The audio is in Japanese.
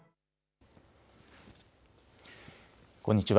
こんにちは。